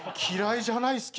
嫌いじゃない。